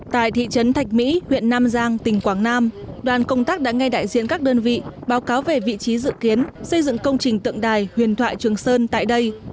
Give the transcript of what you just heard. tại thị trấn thạch mỹ huyện nam giang tỉnh quảng nam đoàn công tác đã nghe đại diện các đơn vị báo cáo về vị trí dự kiến xây dựng công trình tượng đài huyền thoại trường sơn tại đây